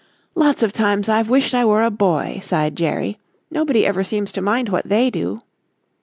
"Lots of times I've wished I were a boy," sighed Jerry. "Nobody ever seems to mind what they do."